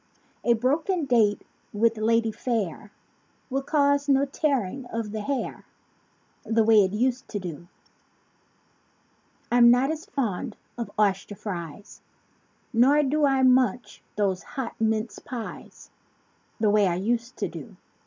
A broken date with lady fair Will cause no tearing of the hair The way it used to do. I'm not as fond of oyster fries; Nor do I munch those hot mince pies The way I used to do.